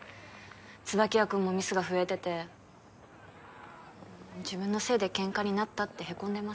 椿谷君もミスが増えてて自分のせいでケンカになったってへこんでます